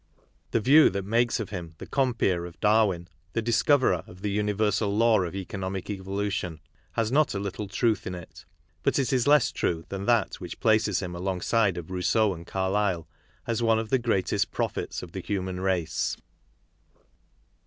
The view that makes of him the com peer of Darwin, the discoverer of the universal law of economic evolution, has not a little truth in it; but it is less true than that which places him alongside of Rousseau and Carlyle, as one of the great prophets of the human race.